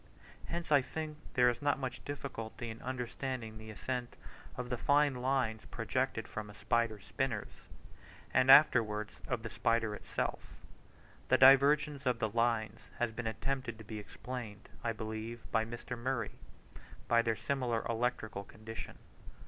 Hence I think there is not much difficulty in understanding the ascent of the fine lines projected from a spider's spinners, and afterwards of the spider itself; the divergence of the lines has been attempted to be explained, I believe by Mr. Murray, by their similar electrical condition.